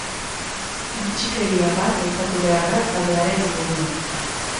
Bitxikeria bat aipatu behar da taldearen inguruan.